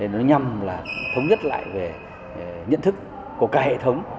nó nhằm là thống nhất lại về nhận thức của cả hệ thống